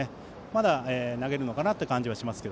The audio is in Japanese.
まだ投げるのかなという感じがします。